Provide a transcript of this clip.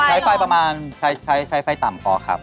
ใช้ไฟประมาณใช้ไฟต่ำพอครับ